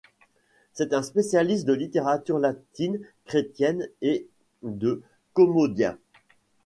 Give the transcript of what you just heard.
C'est un spécialiste de littérature latine chrétienne et de Commodien.